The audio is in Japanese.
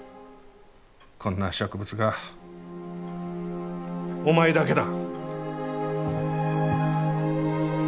こんな植物画お前だけだ。